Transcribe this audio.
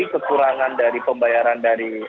kesurangan dari pembayaran dari